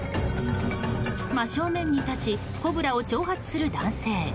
真正面に立ちコブラを挑発する男性。